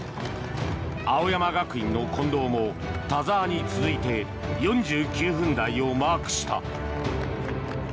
青山学院の近藤も、田澤に続いて４９分台をマークした。